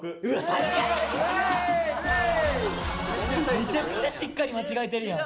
めちゃくちゃしっかり間違えてるやん。